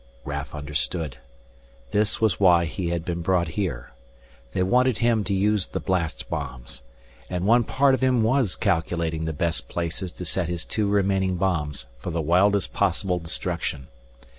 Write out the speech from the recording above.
Raf understood. This was why he had been brought here. They wanted him to use the blast bombs. And one part of him was calculating the best places to set his two remaining bombs for the wildest possible destruction.